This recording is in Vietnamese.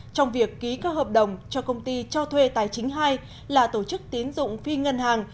trong việc ký các hợp đồng cho công ty cho thuê tài chính hai là tổ chức tiến dụng phi ngân hàng